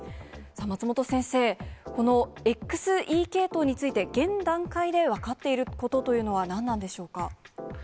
松本先生、このＸＥ系統について、現段階で分かっていることというのは何なんでしょうか。